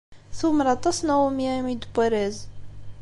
Tumer aṭas Naomi imi d-tewwi arraz.